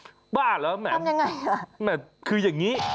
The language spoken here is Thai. อ้าวบ้าเหรอทำยังไงล่ะแหมดคืออย่างนี้